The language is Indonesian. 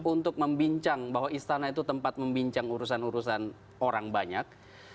untuk membincang bahwa istana itu tempat membincang urusan urusan orang banyak